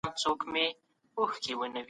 استاد خبري کوي.